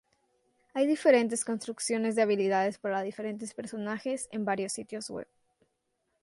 Hay diferentes construcciones de habilidades para diferentes personajes en varios sitios web.